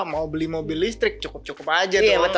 mau beli mobil listrik cukup cukup aja ternyata